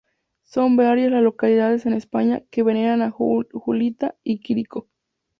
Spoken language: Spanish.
Son varias las localidades en España que veneran a Julita y Quirico.